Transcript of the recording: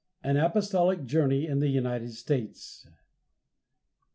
AN APOSTOLIC JOURNEY IN THE UNITED STATES.